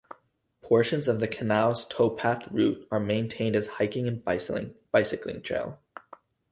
Portions of the canal's towpath route are maintained as a hiking and bicycling trail.